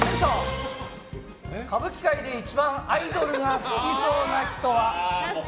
歌舞伎界で一番アイドルが好きそうな人は？